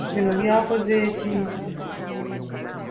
Bino byakoze ki?